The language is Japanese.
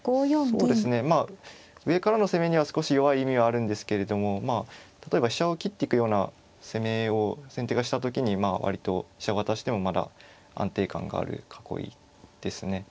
そうですねまあ上からの攻めには少し弱い意味はあるんですけれども例えば飛車を切っていくような攻めを先手がした時に割と飛車を渡してもまだ安定感がある囲いですね。